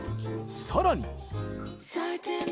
さらに。